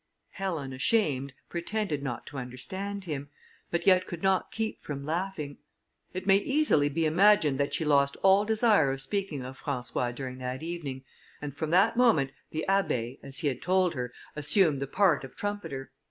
Helen, ashamed, pretended not to understand him, but yet could not keep from laughing. It may easily be imagined that she lost all desire of speaking of François during that evening, and from that moment, the Abbé, as he had told her, assumed the part of trumpeter.